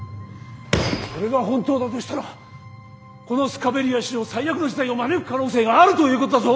それが本当だとしたらこのスカベリア史上最悪の事態を招く可能性があるということだぞ！